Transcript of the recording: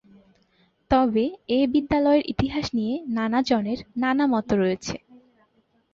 তবে এ বিদ্যালয়ের ইতিহাস নিয়ে নানা জনের নানা মত রয়েছে।